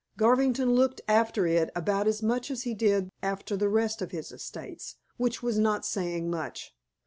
Garvington looked after it about as much as he did after the rest of his estates, which was not saying much.